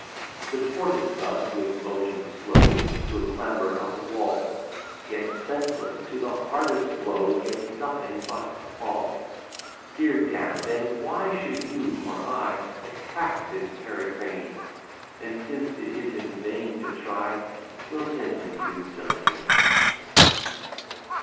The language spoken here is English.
The tortoise thus, with motion slow, Will clamber up a wall; Yet, senseless to the hardest blow, Gets nothing but a fall. Dear Dan, then, why should you, or I, Attack his pericrany? And, since it is in vain to try, We'll send him to Delany.